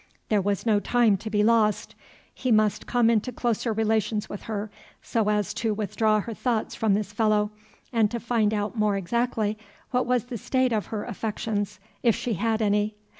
There was no time to be lost. He must come into closer relations with her, so as to withdraw her thoughts from this fellow, and to find out more exactly what was the state of her affections, if she had any.